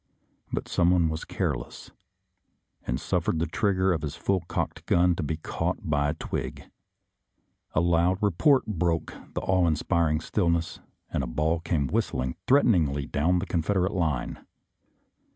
But someone was careless, and suffered the trigger of his full cocked gun to be caught by a twig. A loud report broke the awe inspir ing stillness, and a ball came whistling threaten ingly down the Confederate line.